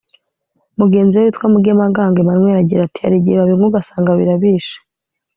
Mugenzi we witwa Mugemangango Emmanuel agira ati “Hari igihe babinywa ugasanga birabishe